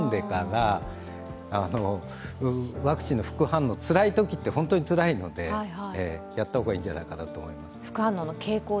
やっぱり情報をきちんと読んでからワクチンの副反応、つらいときって本当につらいので、やった方がいいんじゃないかなと思います。